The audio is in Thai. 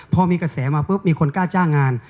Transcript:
พอมีกระแสมาปุ๊บมีคนกล้าจ้างงาน